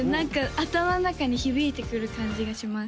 頭の中に響いてくる感じがします